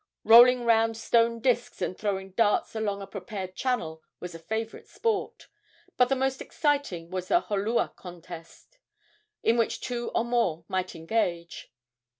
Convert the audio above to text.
Rolling round stone disks and throwing darts along a prepared channel was a favorite sport; but the most exciting was the holua contest, in which two or more might engage.